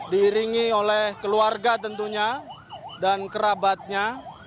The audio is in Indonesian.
diiringi oleh keluarga tentunya dan kerabatnya